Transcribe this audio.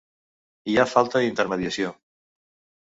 Hi ha falta d’intermediació.